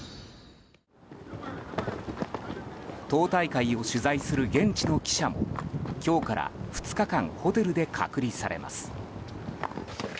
党大会を取材する現地の記者も今日から２日間ホテルで隔離されます。